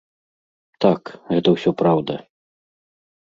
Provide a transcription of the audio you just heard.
Так, гэта ўсё праўда.